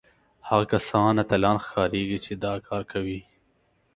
هغه کسان اتلان ښکارېږي چې دا کار کوي